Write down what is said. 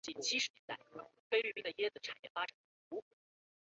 虎尾垄语之语音经过一连串的音变及合并过程。